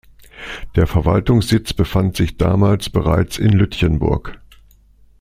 Der Verwaltungssitz befand sich damals bereits in Lütjenburg.